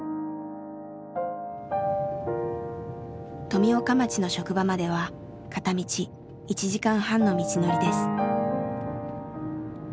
富岡町の職場までは片道１時間半の道のりです。